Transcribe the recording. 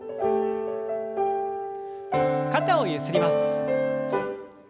肩をゆすります。